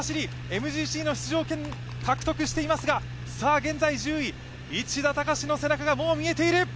ＭＧＣの出場権を獲得していますが、現在１０位、市田孝の背中がもう見えている。